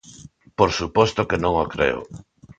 Por suposto que non o creo.